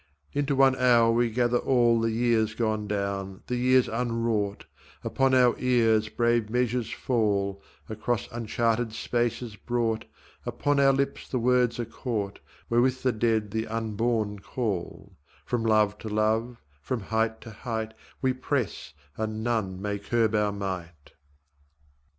Into one hour we gather all The years gone down, the years unwrought, Upon our ears brave measures fall Across uncharted spaces brought, Upon our lips the words are caught Wherewith the dead the unborn call; From love to love, from height to height We press and none may curb our might.